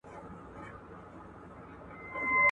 پر پاکستان باور نه شي کېدای